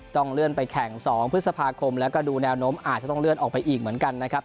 ต้องเลื่อนไปแข่ง๒พฤษภาคมแล้วก็ดูแนวโน้มอาจจะต้องเลื่อนออกไปอีกเหมือนกันนะครับ